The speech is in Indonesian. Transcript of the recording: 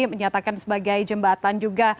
menyatakan sebagai jembatan juga